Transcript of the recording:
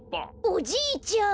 おじいちゃん。